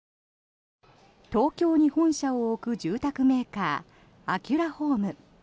東京に本社を置く住宅メーカーアキュラホーム。